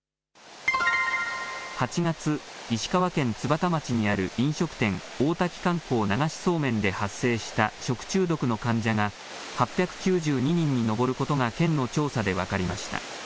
８月、石川県津幡町にある飲食店、大滝観光流しそうめんで発生した食中毒の患者が８９２人に上ることが県の調査で分かりました。